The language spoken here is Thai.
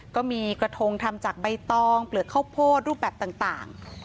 ก็มีกระทงทำจากใบตองเปลือกข้าวโพดรูปแบบต่าง